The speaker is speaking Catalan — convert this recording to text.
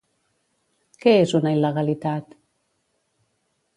Què és una il·legalitat?